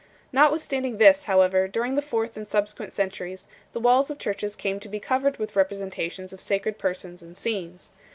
Notwithstanding this, however, during the fourth and subsequent centuries the walls of churches came to be covered with representations of sacred persons and scenes 5